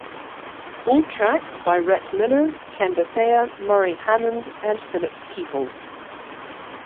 All tracks by Rhett Miller, Ken Bethea, Murry Hammond and Philip Peeples.